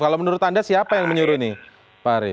kalau menurut anda siapa yang menyuruh ini